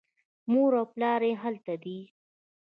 مور او پلار یې هلته دي.